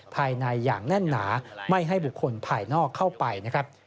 ภายในอย่างแน่นหนาไม่ให้บุคคลภายนอกเข้าไปนะครับ